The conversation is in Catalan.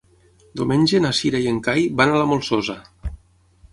Diumenge na Cira i en Cai van a la Molsosa.